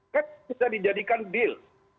kan bisa dijadikan bil